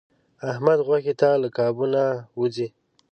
احمد غوښې ته له کابو نه و ځي.